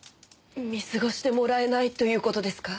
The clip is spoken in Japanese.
見過ごしてもらえないという事ですか？